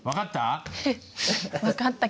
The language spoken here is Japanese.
分かった？